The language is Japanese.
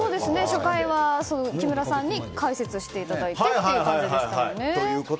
初回は木村さんに解説していただいてという感じでしたよね。